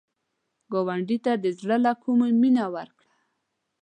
ګاونډي ته د زړه له کومي مینه ورکړه